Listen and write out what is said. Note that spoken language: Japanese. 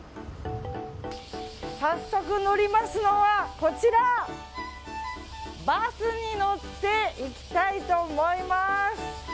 早速、乗りますのはこちらバスに乗って行きたいと思います。